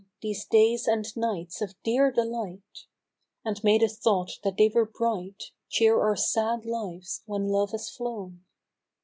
These days and nights of dear delight ! And may the thought that they were bright Cheer our sad lives when Love has flown.